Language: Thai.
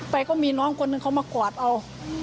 ก็มีน้องคนหนึ่งเขามากวาดเอา